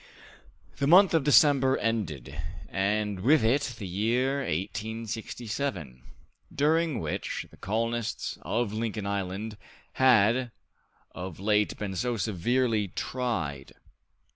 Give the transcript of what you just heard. The month of December ended, and with it the year 1867, during which the colonists of Lincoln Island had of late been so severely tried.